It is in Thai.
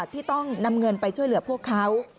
ที่ต้องนำเงินไปช่วยเหลือพวกเขา